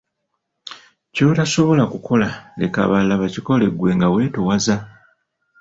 Ky'otasobola kukola leka abalala bakikole ggwe nga wetoowaza.